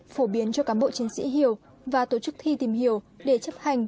phổ biến cho cán bộ chiến sĩ hiểu và tổ chức thi tìm hiểu để chấp hành